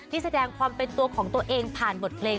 แสดงความเป็นตัวของตัวเองผ่านบทเพลง